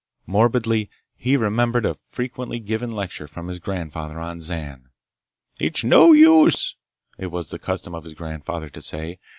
Morbidly, he remembered a frequently given lecture from his grandfather on Zan. "It's no use!" it was the custom of his grandfather to say.